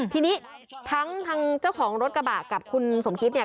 ทีนี้ทั้งทางเจ้าของรถกระบะกับคุณสมคิดเนี่ย